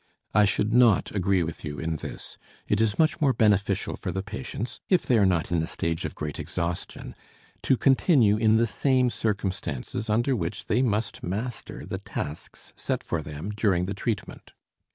I should not agree with you in this; it is much more beneficial for the patients, if they are not in a stage of great exhaustion, to continue in the same circumstances under which they must master the tasks set for them during the treatment.